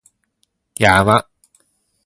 山